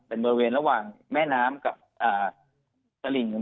เป็นบริเวณระหว่างแม่น้ำกับตลิ่ง